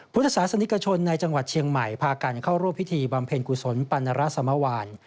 พุทธศาสนิกชนในจังหวัดเชียงใหม่พากันเข้าร่วมพิธีบำเพ็ญกุศลปัณรสมวาน